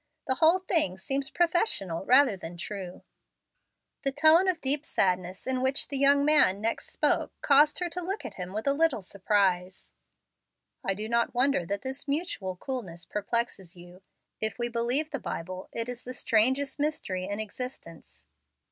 The whole thing seems professional rather than true." The tone of deep sadness in which the young man next spoke caused her to look at him with a little surprise. "I do not wonder that this mutual coolness perplexes you. If we believe the Bible, it is the strangest mystery in existence."